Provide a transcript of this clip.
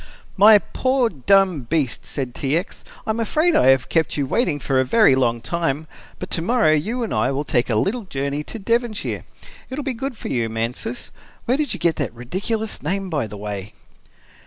"My poor, dumb beast," said T. X. "I am afraid I have kept you waiting for a very long time, but tomorrow you and I will take a little journey to Devonshire. It will be good for you, Mansus where did you get that ridiculous name, by the way!"